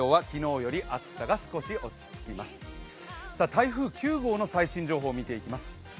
台風９号の最新情報を見ていきます。